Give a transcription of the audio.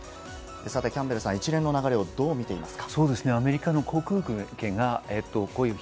キャンベルさん、一連の流れ、どう見ていますか？